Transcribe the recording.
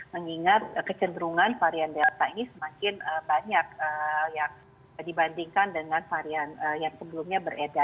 mengingat kecenderungan varian delta ini semakin banyak dibandingkan dengan varian yang sebelumnya bereda